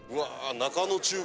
中野中学？